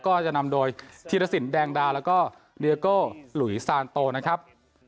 ก็จะนำโดยธีรสินแดงดาแล้วก็เดียโก้หลุยซานโตนะครับ